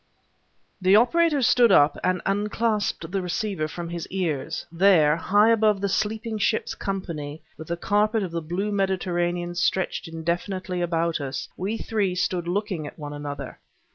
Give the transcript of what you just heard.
The operator stood up and unclasped the receivers from his ears. There, high above the sleeping ship's company, with the carpet of the blue Mediterranean stretched indefinitely about us, we three stood looking at one another.